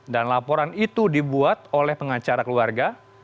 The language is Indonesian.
laporan itu dibuat oleh pengacara keluarga